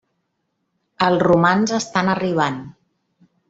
Els romans estan arribant.